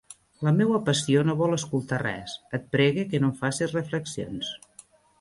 La meua passió no vol escoltar res, et pregue que no em faces reflexions.